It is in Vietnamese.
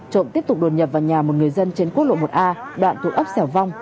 trộm tiếp tục đồn nhập vào nhà một người dân trên quốc lộ một a đoạn thuộc ấp xẻo vong